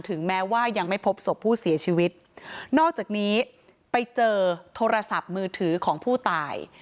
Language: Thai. แม้ว่ายังไม่พบศพผู้เสียชีวิตนอกจากนี้ไปเจอโทรศัพท์มือถือของผู้ตาย